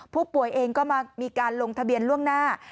ผู้ป่วยเองก็มามีการลงทะเบียนล่วงหน้า